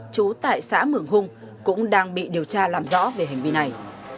chú tại xã mường hung cũng đang bị điều tra làm rõ về hành vi này